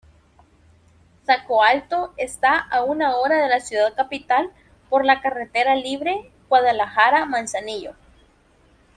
Zacoalco está a una hora de la ciudad capital por la carretera libre Guadalajara-Manzanillo.